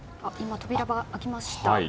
扉が開きました。